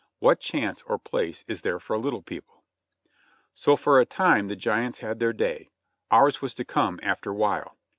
What chance or place is there for little people? So for a time the giants had their day, ours was to come after while.